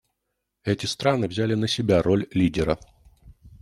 Эти страны взяли на себя роль лидера.